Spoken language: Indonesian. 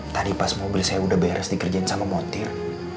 tadi pas mobil saya udah beres dikerjain sama motir